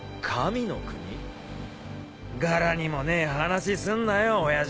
柄にもねえ話すんなよ親父